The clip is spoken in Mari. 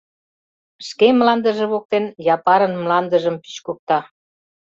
«Шке» мландыже воктен Япарын мландыжым пӱчкыкта.